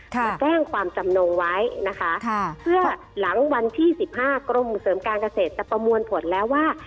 มาแจ้งความจำนงไว้นะคะเพื่อหลังวันที่๑๕กรมเสริมการเกษตรจะประมวลผลแล้วว่า